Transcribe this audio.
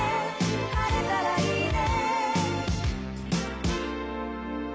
「晴れたらいいね」